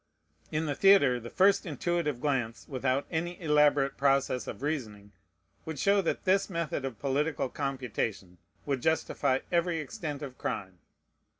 In the theatre, the first intuitive glance, without any elaborate process of reasoning, would show that this method of political computation would justify every extent of crime.